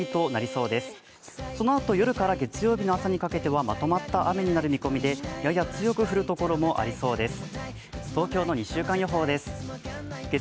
そのあと夜から月曜日の朝にかけてはまとまった雨になりそうで、やや強く降るところもありそうです。